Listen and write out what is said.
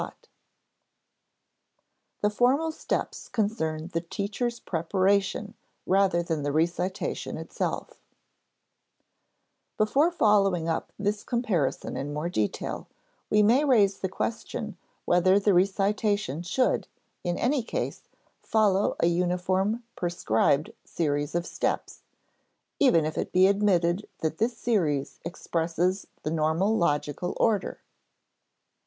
[Sidenote: The formal steps concern the teacher's preparation rather than the recitation itself] Before following up this comparison in more detail, we may raise the question whether the recitation should, in any case, follow a uniform prescribed series of steps even if it be admitted that this series expresses the normal logical order.